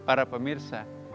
nah para pemirsa